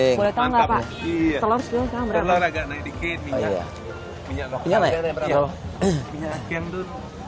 sekarang lima belas lebih lebih itu